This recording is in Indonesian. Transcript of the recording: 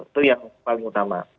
itu yang paling utama